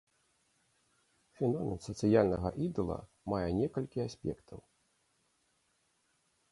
Феномен сацыяльнага ідала мае некалькі аспектаў.